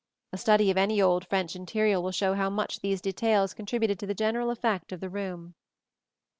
A study of any old French interior will show how much these details contributed to the general effect of the room.